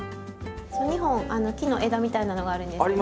２本木の枝みたいなのがあるんですけど。